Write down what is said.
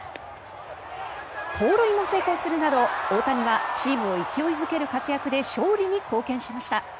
盗塁も成功するなど大谷はチームを勢いづける活躍で勝利に貢献しました。